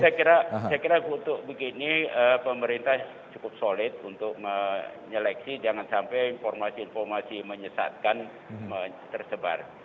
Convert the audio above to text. saya kira untuk begini pemerintah cukup solid untuk menyeleksi jangan sampai informasi informasi menyesatkan tersebar